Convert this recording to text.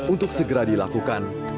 untuk segera dilakukan